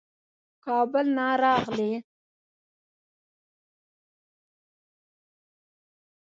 کابل نه راغلی.